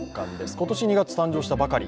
今年２月誕生したばかり。